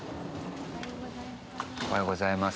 おはようございます。